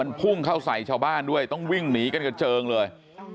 มันพุ่งเข้าใส่ชาวบ้านด้วยต้องวิ่งหนีกันกระเจิงเลย